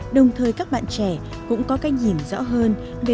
đồng thời các bạn trẻ cũng có cách nhìn rõ hơn về môi trường biển